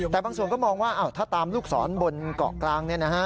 แต่บางส่วนก็มองว่าถ้าตามลูกศรบนเกาะกลาง